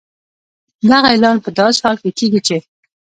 دغه اعلان په داسې حال کې کېږي چې